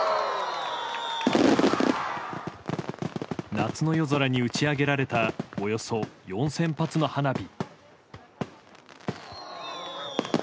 夏の夜空に打ち上げられたおよそ４０００発の花火。